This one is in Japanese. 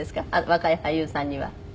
若い俳優さんには。